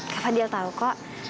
kak fadil tau kok